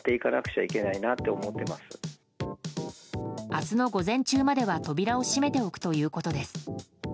明日の午前中までは扉を閉めておくということです。